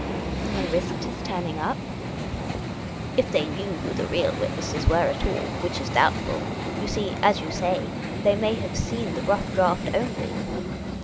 " Then they risked his turning up ?"" If they knew who the real witnesses were at all — which is doubtful. You see, as you say, they may have seen the rough draft only."